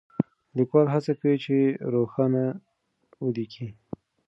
ليکوال هڅه کوي چې روښانه وليکي.